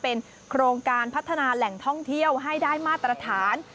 เป็นโครงการพัฒนาแหล่งท่องเที่ยวให้ได้มาตรฐาน